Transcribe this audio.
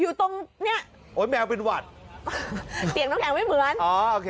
อยู่ตรงเนี้ยโอ้ยแมวเป็นหวัดเสียงน้ำแข็งไม่เหมือนอ๋อโอเค